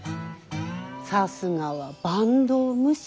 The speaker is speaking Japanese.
さすがは坂東武者。